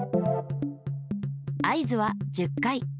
合図は１０回。